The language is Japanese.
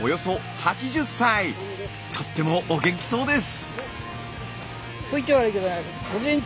とってもお元気そうです。